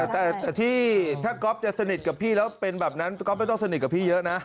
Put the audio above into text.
แต่ที่ถ้าก๊อฟจะสนิทกับพี่แล้วเป็นแบบนั้นก๊อปไม่ต้องสนิทกับพี่เยอะนะ